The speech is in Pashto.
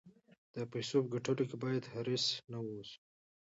د پیسو په ګټلو کې باید حریص نه اوسو.